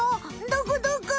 どこどこ？